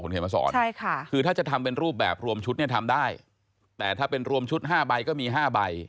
คุณเคยมาสอนคือถ้าจะทำเป็นรูปแบบรวมชุดทำได้แต่ถ้าเป็นรวมชุด๕ใบก็มี๕ใบ